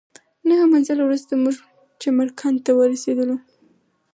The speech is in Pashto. نهه منزله وروسته موږ چمرکنډ ته ورسېدلو.